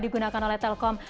digunakan oleh telkom